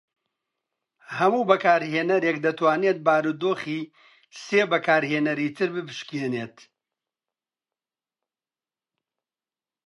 هەموو بەکارهێەرێک دەتوانێت بارودۆخی سێ بەکارهێنەری تر بپشکنێت.